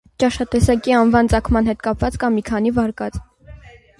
Ճաշատեսակի անվան ծագման հետ կապված կա մի քանի վարկած։